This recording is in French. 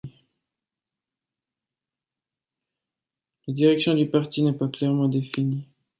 La direction du parti n'est pas clairement définie.